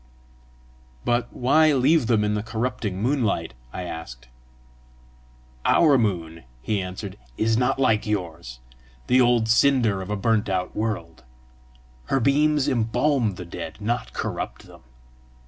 "But why leave them in the corrupting moonlight?" I asked. "Our moon," he answered, "is not like yours the old cinder of a burnt out world; her beams embalm the dead, not corrupt them.